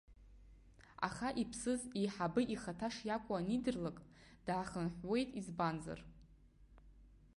Аха иԥсыз иеиҳабы ихаҭа шиакәу анидырлак, даахынҳәуеит, избанзар.